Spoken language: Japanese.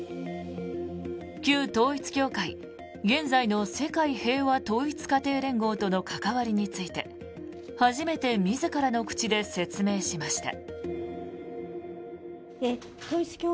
旧統一教会現在の世界平和統一家庭連合との関わりについて初めて自らの口で説明しました。